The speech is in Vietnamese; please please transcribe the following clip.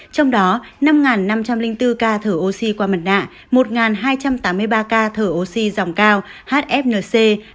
trong đó năm năm trăm linh bốn ca thở oxy qua mặt nạ một hai trăm tám mươi ba ca thở oxy dòng cao hfnc